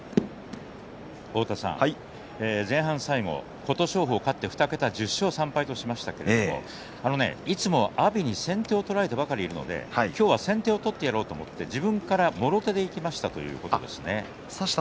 前半最後、琴勝峰、勝って２桁、１０勝３敗としましたがいつも阿炎に先手を取られて負けているので今日は先手を取ってやろうと思って自分からもろ手でいきましたということです。